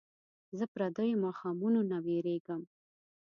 زه پردیو ماښامونو نه ویرېږم